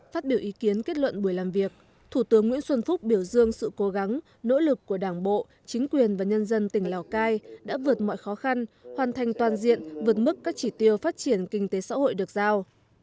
phát biểu ý kiến kết luận buổi làm việc thủ tướng nguyễn xuân phúc biểu dương sự cố gắng nỗ lực của đảng bộ chính quyền và nhân dân tỉnh lào cai đã vượt mọi khó khăn hoàn thành toàn diện vượt mức các chỉ tiêu phát triển kinh tế xã hội được giao